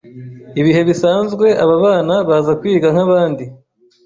ibihe bisanzwe aba bana Baza kwiga nk’abandi